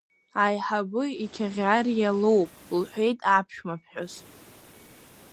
Аиҳабы иқьаӷьариа лоуп, — лҳәеит аԥшәма ԥҳәыс.